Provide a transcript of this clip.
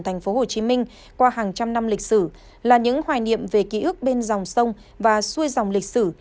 thành phố hồ chí minh qua hàng trăm năm lịch sử là những hoài niệm về ký ức bên dòng sông và xuôi dòng lịch sử